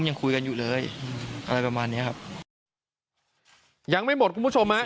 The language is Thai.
ยังคุยกันอยู่เลยอะไรประมาณเนี้ยครับยังไม่หมดคุณผู้ชมฮะ